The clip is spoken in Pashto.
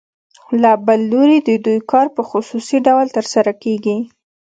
له بل لوري د دوی کار په خصوصي ډول ترسره کېږي